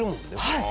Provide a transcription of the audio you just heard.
はい。